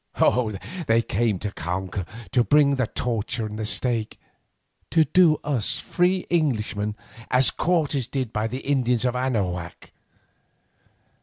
They came to conquer, to bring us to the torture and the stake—to do to us free Englishmen as Cortes did by the Indians of Anahuac.